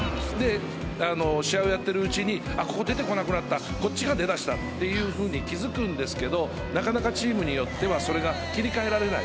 試合をやっているうちにここが出なくなったこっちが出てきたと気づくんですけどなかなかチームによってはそれが切り換えられない。